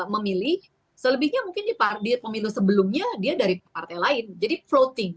memilih selebihnya mungkin di pemilu sebelumnya dia dari partai lain jadi floating